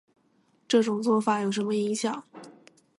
这种做法有什么影响